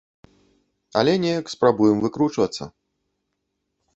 Але неяк спрабуем выкручвацца.